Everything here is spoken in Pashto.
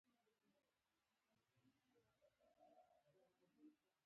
له هر بڼ او هر ګلشن جلوه خپریږي